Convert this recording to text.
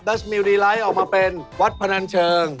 มิวรีไลท์ออกมาเป็นวัดพนันเชิง